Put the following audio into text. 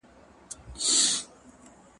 حکومتونه باید مولده پانګه تسویق کړي.